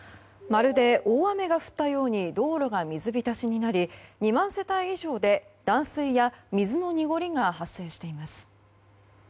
まるで大雨が降ったように道路が水浸しになり２万世帯以上で断水や水の濁りが発生しています。